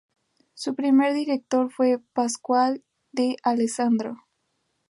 Su primer director fue Pasquale D'Alessandro.